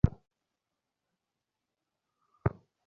কিন্তু আজকাল তোমাদের যে-রকম কাণ্ড দেখিতেছি, সবই সম্ভব।